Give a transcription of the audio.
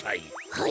はい！